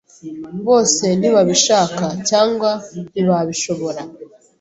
Bose ntibabishaka cyangwa ntibabishobora.